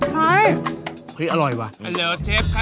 ครับเชฟช่วยเหลือได้ครับ